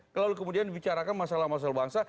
lalu kemudian dibicarakan masalah masalah bangsa